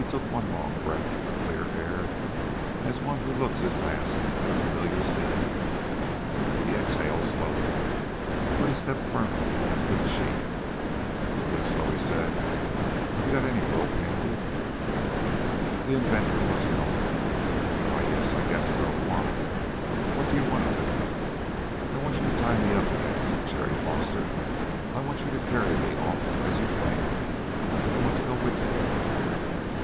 He took one long breath of the clear air as one who looks his last at a familiar scene. He exhaled slowly. But he stepped firmly into the machine. "Winslow," he said, "have you any rope handy?" The inventor was annoyed. "Why, yes, I guess so. Why? What do you want of it?" "I want you to tie me up again," said Jerry Foster. "I want you to carry me off as you planned. I want to go with you."